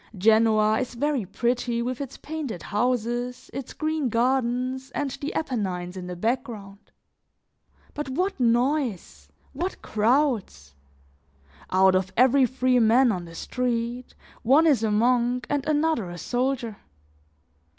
Genoa is very pretty with its painted houses, its green gardens and the Apennines in the background! But what noise! What crowds! Out of every three men on the street, one is a monk and another a soldier.